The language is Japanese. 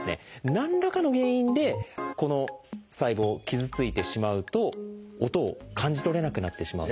何らかの原因でこの細胞傷ついてしまうと音を感じ取れなくなってしまうんです。